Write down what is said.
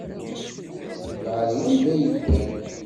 Yebɛed wanda ay ddan.